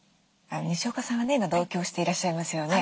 にしおかさんは今同居してらっしゃいますよね？